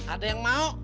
ada yang mau